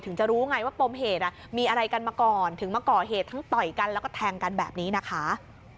จะรู้ไงว่าปมเหตุมีอะไรกันมาก่อนถึงมาก่อเหตุทั้งต่อยกันแล้วก็แทงกันแบบนี้นะคะ